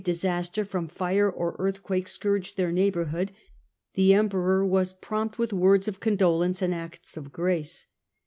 disaster from fire or earthquake scourged their neigh bourhood, the Emperor was prompt with v^ords of con dolence and acts of grace.